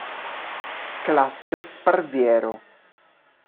Classe Sparviero